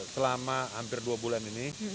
selama hampir dua bulan ini